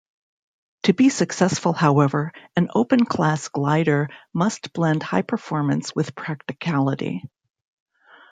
To be successful, however, an Open Class glider must blend high performance with practicality.